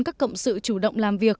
các cộng sự chủ động làm việc